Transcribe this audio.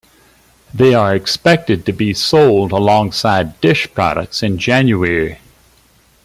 They are expected to be sold alongside Dish products in January.